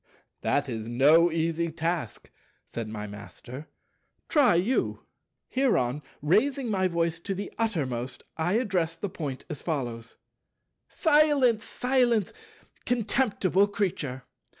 "That is no easy task," said my Master; "try you." Hereon, raising by voice to the uttermost, I addressed the Point as follows: "Silence, silence, contemptible Creature.